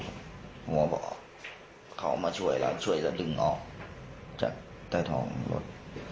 หมอบอกเขามาช่วยแล้วช่วยกันดึงออกจากใต้ท้องรถ